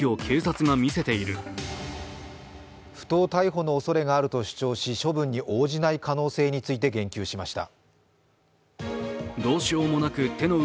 昨日、ＳＮＳ上で行ったライブ配信で不当逮捕のおそれがあると主張し、処分に応じない可能性について言及しました。